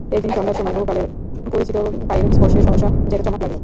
একদিন সন্ধ্যার সময়ে বহুকালের পরিচিত পায়ের স্পর্শে সহসা যেন চমক লাগিল।